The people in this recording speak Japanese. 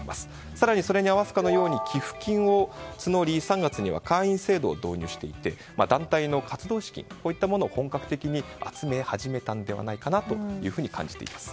更にそれに合わせているかのように寄付金を募り３月には会員制度を導入していて団体の活動資金といったものを本格的に集め始めたのではないかなと感じています。